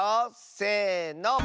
せの！